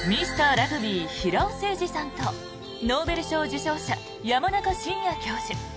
ラグビー平尾誠二さんとノーベル賞受賞者山中伸弥教授。